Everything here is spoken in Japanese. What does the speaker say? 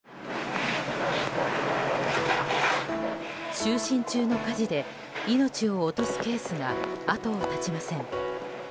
就寝中の火事で命を落とすケースが後を絶ちません。